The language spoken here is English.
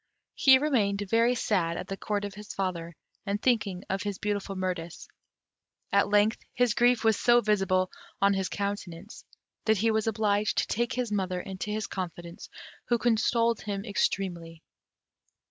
He remained very sad at the Court of his father, and thinking of his beautiful Mirtis. At length his grief was so visible on his countenance, that he was obliged to take his mother into his confidence, who consoled him extremely.